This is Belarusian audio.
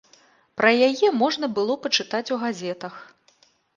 Пра яе можна было пачытаць у газетах.